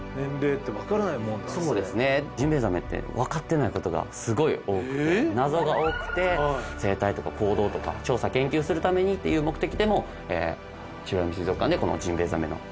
ジンベエザメって分かってないことがすごい多くて謎が多くて生態とか行動とか調査研究するためにっていう目的でも美ら海水族館でこのジンベエザメの飼育を開始してます。